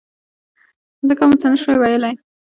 ځکه مو څه نه شول ویلای.